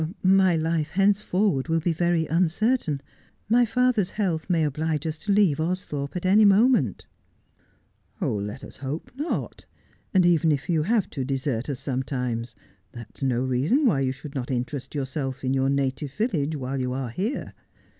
' My life henceforward will be very uncertain. My father's health may oblige us to leave Austhorpe at any moment.' ' Let us hope not. And even if you have to desert us some times, that is no reason why you should not interest yourself in your native village while you are here.